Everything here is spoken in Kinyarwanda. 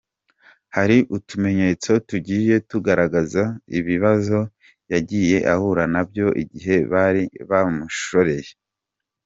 Hari utumenyetso tugiye tugaragaza ibibazo yagiye ahura nabyo igihe bari bamushoreye.